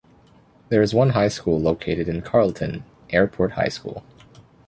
There is one high school located in Carleton, Airport High School.